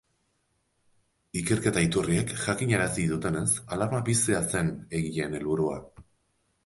Ikerketa iturriek jakinarazi dutenez, alarma piztea zen egileen helburua.